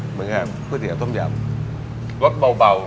เหมือนกับก๋วยเตี๋ยวท่มยำ